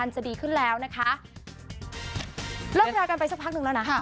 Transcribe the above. จะดีขึ้นแล้วนะคะเลิกรากันไปสักพักหนึ่งแล้วนะ